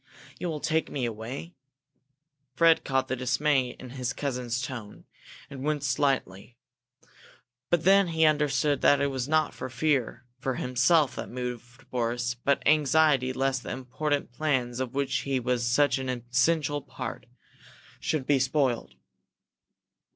You will take me away?" Fred caught the dismay in his cousin's tone, and winced slightly. But then he understood that it was not fear for himself that moved Boris, but anxiety lest the important plans of which he was such an essential part should be spoiled.